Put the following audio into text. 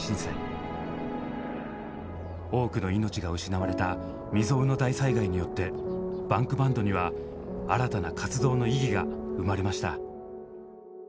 多くの命が失われた未曽有の大災害によってＢａｎｋＢａｎｄには新たな活動の意義が生まれました。